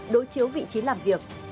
đối chiếu vị trí làm việc